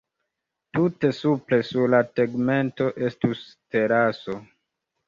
Tute supre, sur la “tegmento”, estus teraso.